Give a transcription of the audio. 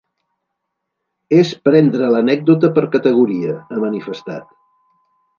“És prendre l’anècdota per categoria”, ha manifestat.